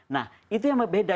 nah itu yang beda